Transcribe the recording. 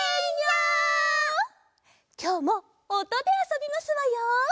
きょうもおとであそびますわよ。